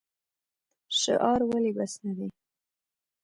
شعار ولې بس نه دی؟